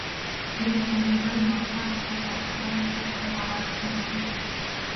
Хэрэв танд ямар нэг онцгой асуудал байхгүй бол утсаа тавиад дараа залгана уу?